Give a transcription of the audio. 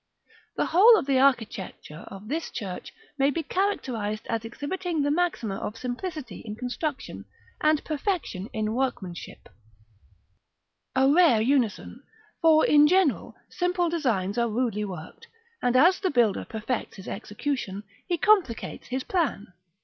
The whole of the architecture of this church may be characterised as exhibiting the maxima of simplicity in construction, and perfection in workmanship, a rare unison: for, in general, simple designs are rudely worked, and as the builder perfects his execution, he complicates his plan.